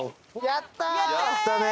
やったね！